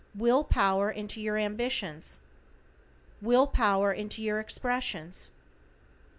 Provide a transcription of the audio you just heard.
Will power into your ambitions. Will power into your expressions.